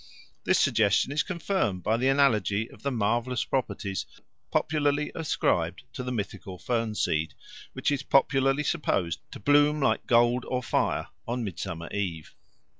This suggestion is confirmed by the analogy of the marvellous properties popularly ascribed to the mythical fern seed, which is popularly supposed to bloom like gold or fire on Midsummer Eve.